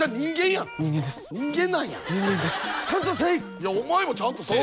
いやお前もちゃんもせい。